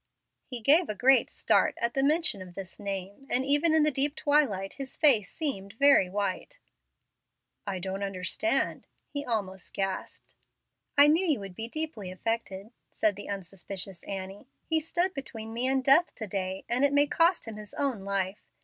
He gave a great start at the mention of this name, and even in the deep twilight his face seemed very white. "I don't understand," he almost gasped. "I knew you would be deeply affected," said the unsuspicious Annie. "He stood between me and death to day, and it may cost him his own life.